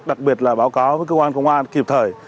đặc biệt là báo cáo với cơ quan công an kịp thời